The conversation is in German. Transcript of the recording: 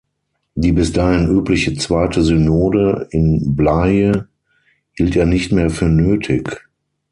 Die bis dahin übliche zweite Synode in Blaye hielt er nicht mehr für nötig.